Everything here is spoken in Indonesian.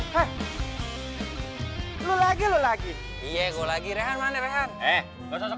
lelagi lelagi iya martinan forever